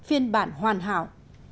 nền bản hoàn hảo